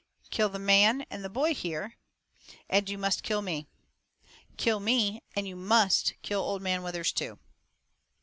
"Kill the man and the boy here, and you must kill me. Kill me, and you must kill Old Man Withers, too."